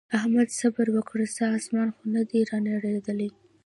احمده! صبره وکړه څه اسمان خو نه دی رانړېدلی.